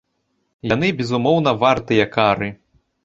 Яны безумоўна вартыя кары.